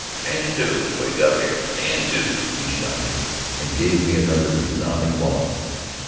"Stand to! Wyke up 'ere! Stand to!" he shouted, and gave me another resounding wallop.